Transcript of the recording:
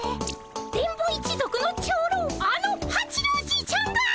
電ボ一族の長老あの八郎じいちゃんが？